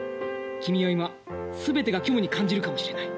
君は今全てが虚無に感じるかもしれない。